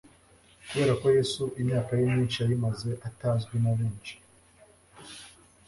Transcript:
Kubera ko Yesu imyaka ye myinshi yayimaze atazwi na benshi,